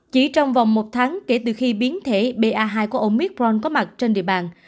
chỉ trong vòng một tháng kể từ khi biến thể ba hai của omicron có mặt trên địa bàn